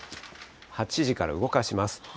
８時から動かします。